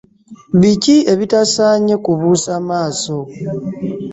Biki ebitasaanye kubuusa maaso?